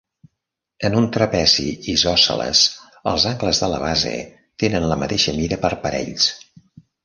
En un trapezi isòsceles, els angles de la base tenen la mateixa mida per parells.